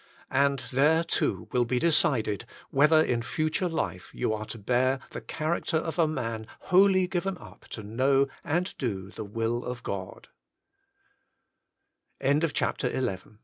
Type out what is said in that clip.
And there too wiU be decided whether in future life you are to bear the character of a man whoUy given up to know and do the will of Go